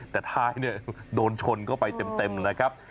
แต่ท้ายเนี่ยโดนชนเข้าไปเต็มนะครับ